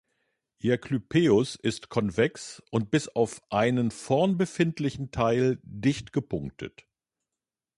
Ihr Clypeus ist konvex und bis auf einen vorn befindlichen Teil dicht gepunktet.